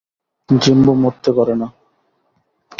Jimbo মরতে পারেনা!